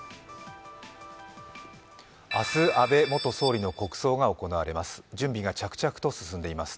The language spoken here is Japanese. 明日、安倍元総理の国葬が行われます。